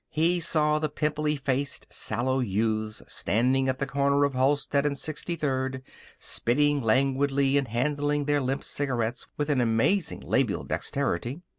He saw the pimply faced, sallow youths standing at the corner of Halsted and Sixty third, spitting languidly and handling their limp cigarettes with an amazing labial dexterity.